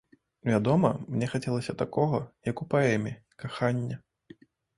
Вядома, мне хацелася такога, як у паэме, кахання.